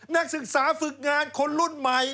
นักศึกษาฝึกงานคนรุ่นใหม่